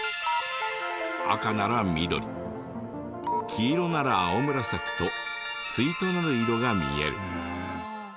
赤なら緑黄色なら青紫と対となる色が見える。